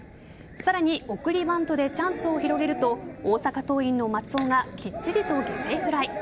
さらに送りバントでチャンスを広げると大阪桐蔭の松尾がきっちりと犠牲フライ。